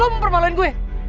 lo mau perbalain gue